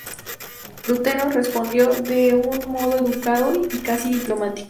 Lutero respondió de un modo educado y casi diplomático.